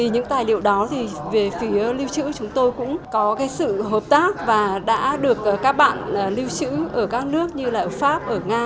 những tài liệu đó về phía lưu trữ chúng tôi cũng có sự hợp tác và đã được các bạn lưu trữ ở các nước như là pháp ở nga